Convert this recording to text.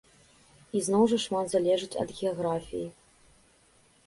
І зноў жа шмат залежыць ад геаграфіі.